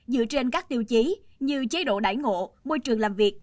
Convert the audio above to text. dựa trên các tiêu chí như chế độ đải ngộ môi trường làm việc